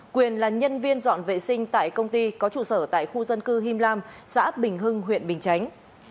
quyền là nhân viên dọn vệ sinh tại công ty có trụ sở tại khu dân cư him lam xã bình hưng huyện bình chánh